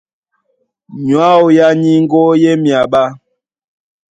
Nyɔ̌ ǎō yá nyíŋgó í e myaɓá.